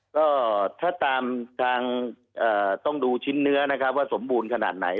ก็ถ้าตามทางต้องดูชิ้นเนื้อนะครับว่าสมบูรณ์ขนาดไหน